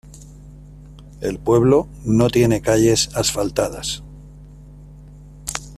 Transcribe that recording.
El pueblo no tiene calles asfaltadas.